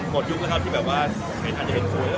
ก็มีคนมีคนต่อไปดีกว่า